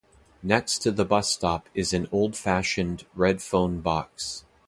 Next to the bus stop is an old-fashioned red phone box.